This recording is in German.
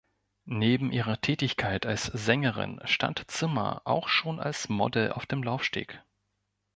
Neben ihrer Tätigkeit als Sängerin stand Zimmer auch schon als Model auf dem Laufsteg.